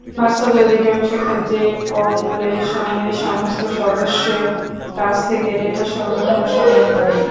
বাস্তবে অধিকাংশ ক্ষেত্রেই পপুলেশনের সমস্ত সদস্যের কাছ থেকে ডেটা সংগ্রহ সম্ভব হয় না।